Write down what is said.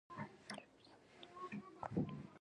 ترموز د غرمو خواړه نه لري، خو چای لري.